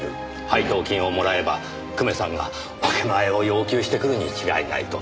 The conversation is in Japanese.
配当金をもらえば久米さんが分け前を要求してくるに違いないと。